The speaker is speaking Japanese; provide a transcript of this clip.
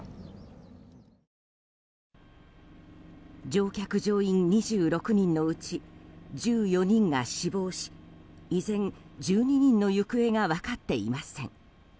乗客・乗員２６人のうち１４人が死亡し依然１２人の行方が分かっていません。